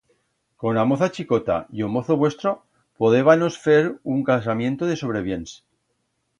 Con a moza chicota y o mozo vuestro podébanos fer un casamiento de sobrebiens.